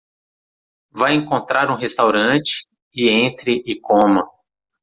Vá encontrar um restaurante e entre e coma